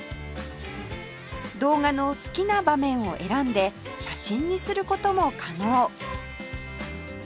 動画の好きな場面を選んで写真にする事も可能